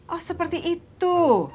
oh seperti itu